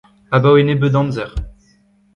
abaoe nebeut amzer